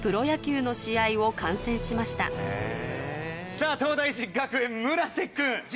さぁ東大寺学園村瀬君！